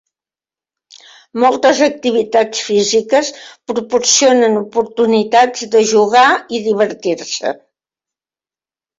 Moltes activitats físiques proporcionen oportunitats de jugar i divertir-se.